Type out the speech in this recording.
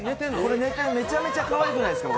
めちゃめちゃかわいくないですか？